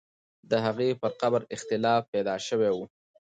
د هغې پر قبر اختلاف پیدا سوی وو.